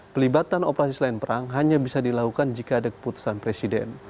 pelibatan operasi selain perang hanya bisa dilakukan jika ada keputusan presiden